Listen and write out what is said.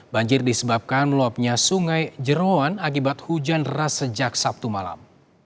banjir disebabkan meluapnya sungai jerawan akibat hujan deras sejak sabtu malam